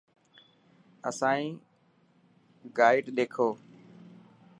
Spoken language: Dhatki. اسانئي گائڊ ڏيکو.